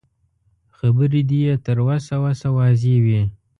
خبرې دې يې تر وسه وسه واضح وي.